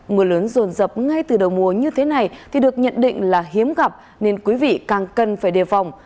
mưa lớn rồn rập ngay từ đầu mùa như thế này thì được nhận định là hiếm gặp nên quý vị càng cần phải đề phòng